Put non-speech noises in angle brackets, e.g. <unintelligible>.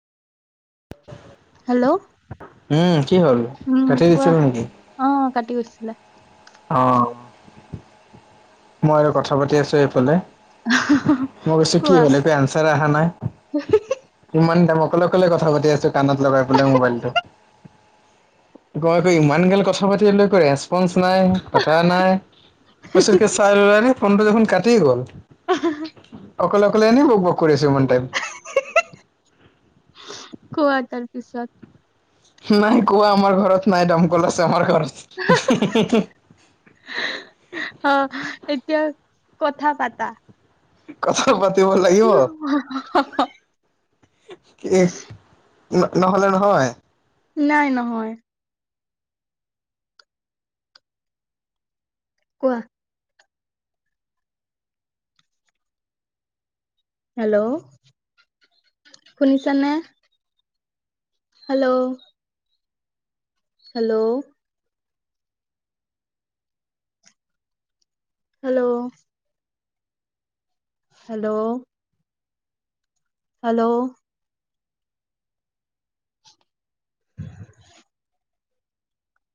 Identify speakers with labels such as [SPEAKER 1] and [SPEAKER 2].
[SPEAKER 1] Hello
[SPEAKER 2] উম কি হ'ল
[SPEAKER 1] উম
[SPEAKER 2] কাটি
[SPEAKER 1] কোৱা
[SPEAKER 2] দিছিলো নেকি?
[SPEAKER 1] অ কাটি গৈছিলে
[SPEAKER 2] অ মই আৰু কথা পাতি আছো এইফালে মই ভাবিছো কি
[SPEAKER 1] কোৱা
[SPEAKER 2] হ'ল একো আনচাৰ অহা নাই ইমান টাইম অকলে অকলে কথা পাতি আছো কানত লগাই পেলাই মোবাইলটো। তই ক ইমান গাল কথা পাতি লৈ একো ৰেচপঞ্চ নাই। নাই কথা নাই বতৰা পাছত ল'ৰাটো ফোনটো দেখোন কাটি গ'ল। অকলে
[SPEAKER 1] অহ
[SPEAKER 2] অকলে এনেই ৱকৱক কৰি আছো ইমান টাইম।
[SPEAKER 1] হি হি। কোৱা তাৰ পিছত।
[SPEAKER 2] নাই কোৱা আমাৰ ঘৰত নাই দমকল আছে আমাৰ ঘৰত।
[SPEAKER 1] অ এতিয়া কথা পাতা
[SPEAKER 2] কথা পাতিম লাগিব, কি ন-ন-নহ'লে নহয়
[SPEAKER 1] নাই নহয়। কোৱা। হেল্ল' শুনিছা নে? Hello hello, hello, hello, hello, উ <unintelligible>